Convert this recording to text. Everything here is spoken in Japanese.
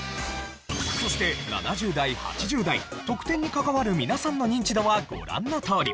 そして７０代８０代得点に関わる皆さんのニンチドはご覧のとおり。